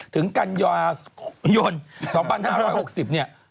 ถึงกันยายน๒๕๖๐เนี่ย